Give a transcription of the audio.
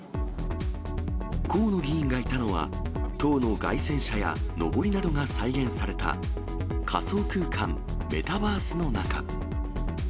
河野議員がいたのは、党の街宣車やのぼりなどが再現された仮想空間、メタバースの中。